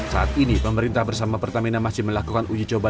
saat ini pemerintah bersama pertamina masih melakukan uji coba